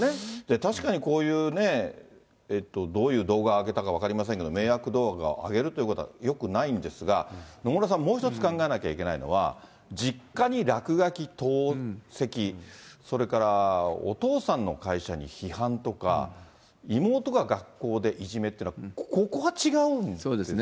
確かにこういうね、どういう動画を上げたか分かりませんけど、迷惑動画を上げるということはよくないんですが、野村さん、もう１つ考えなきゃいけないのは、実家に落書き、投石、それからお父さんの会社に批判とか、妹が学校でいじめってのは、ここは違うんですね。